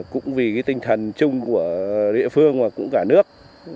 cũng vì cái tinh thần chung của địa phương và cũng cả nước